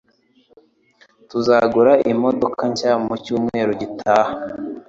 Tuzagura imodoka nshya mu cyumweru gitaha.